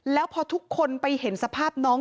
แล้วพอทุกคนไปเห็นสภาพน้อง